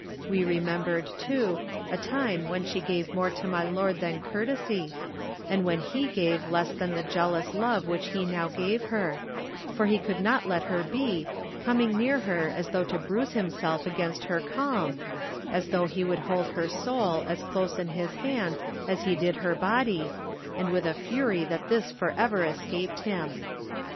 We remem bered, too, a time when she gave more to my lord than courtesy, and when he gave less than the jealous love which he now gave her, for he could not let her be, conaing near her as though to bruise himself against her calm, as though he would hold her soul as close in his hand as he did her body, and with a fury that this forever escaped him.